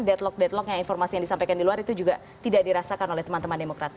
deadlock deadlock yang informasi yang disampaikan di luar itu juga tidak dirasakan oleh teman teman demokrat